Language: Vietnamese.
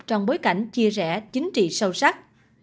trong bối cảnh chia rẽ chính trị sâu sắc